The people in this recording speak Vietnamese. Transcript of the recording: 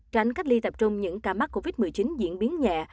tránh cách ly tập trung những ca mắc covid một mươi chín diễn biến nhẹ